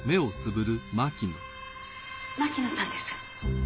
牧野さんです。